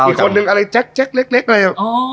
อีกคนนึงอะไรแจ๊กเล็กอะไร